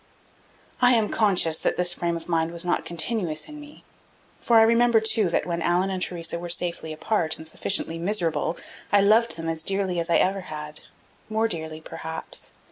I am conscious that this frame of mind was not continuous in me. For I remember, too, that when Allan and Theresa were safely apart and sufficiently miserable I loved them as dearly as I ever had, more dearly perhaps.